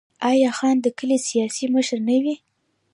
آیا خان د کلي سیاسي مشر نه وي؟